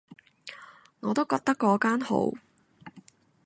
我都覺得嗰間好